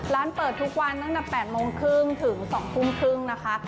ร้านเปิดทุกวันตั้งแต่๘โมงครึ่งถึง๒ทุ่มครึ่งนะคะ